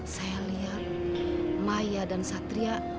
saya lihat maya dan satria